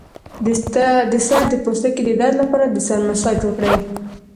د سر د پوستکي د درد لپاره د سر مساج وکړئ